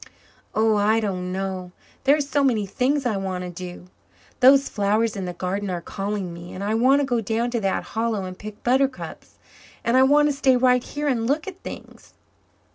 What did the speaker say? "Oh, I don't know. There are so many things I want to do. Those flowers in the garden are calling me and I want to go down to that hollow and pick buttercups and I want to stay right here and look at things."